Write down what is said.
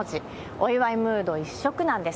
お祝いムード一色なんです。